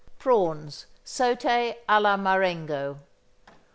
=Prawns, Sauté, à la Marengo.